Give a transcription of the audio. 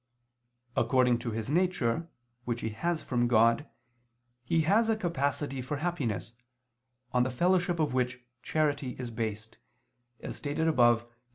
According to his nature, which he has from God, he has a capacity for happiness, on the fellowship of which charity is based, as stated above (A.